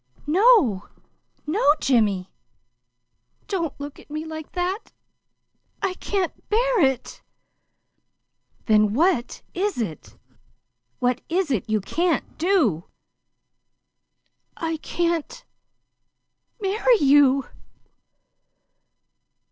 "No, no, Jimmy! Don't look at me like that. I can't bear it!" "Then what is it? What is it you can't do?" "I can't marry you."